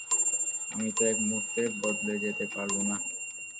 আমি তো এক মুহূর্তে বদলে যেতে পারবো না।